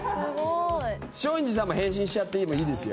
松陰寺さんも変身しちゃっていいですよ。